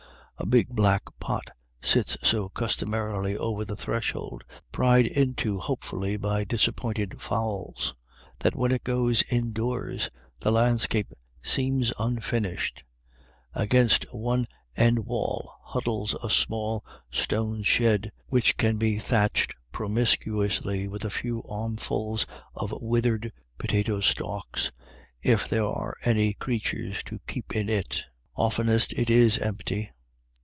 A big black pot sits so cus tomarily over the threshold, pried into hopefully by disappointed fowls, that when it goes indoors the landscape seems unfinished. Against one end wall huddles a small stone shed, which can i LISCONNEL. 9 be thatched promiscuously with a few armfuls of withered potato stalks, if there are any creatures to keep in it. Oftenest it is empty.